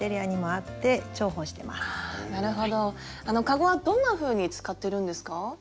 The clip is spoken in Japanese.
かごはどんなふうに使ってるんですか？